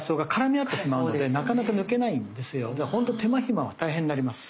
ほんと手間暇は大変になります。